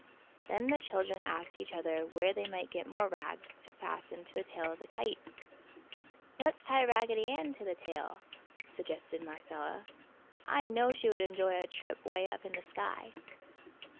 Then the children asked each other where they might get more rags to fasten to the tail of the kite. "Let's tie Raggedy Ann to the tail!" suggested Marcella. "I know she would enjoy a trip 'way up in the sky!"